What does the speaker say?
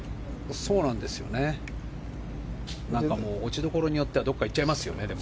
落ちどころによってはどこかにいっちゃいますよね。